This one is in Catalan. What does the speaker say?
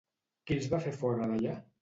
Qui els va fer fora d'allà?